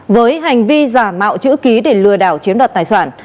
với hành vi giả mạo chữ ký để lừa đảo chiếm đoạt tài sản